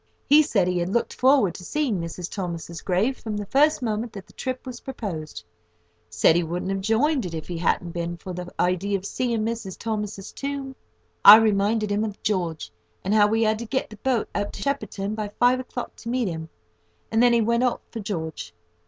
He said he had looked forward to seeing Mrs. Thomas's grave from the first moment that the trip was proposed—said he wouldn't have joined if it hadn't been for the idea of seeing Mrs. Thomas's tomb. I reminded him of George, and how we had to get the boat up to Shepperton by five o'clock to meet him, and then he went for George.